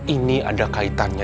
ini ada kaitannya